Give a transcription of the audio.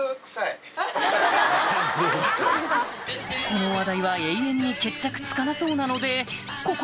この話題は永遠に決着つかなそうなのでここらでおいとま！